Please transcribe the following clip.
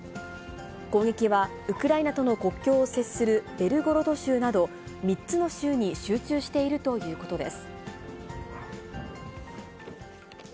攻撃はウクライナとの国境を接するベルゴロド州など、３つの州に集中しているということです。